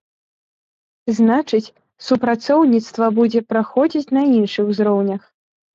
Значыць, супрацоўніцтва будзе праходзіць на іншых узроўнях.